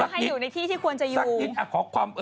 ให้อยู่ในที่ที่ควรจะอยู่